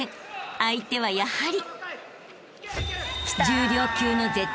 相手はやはり］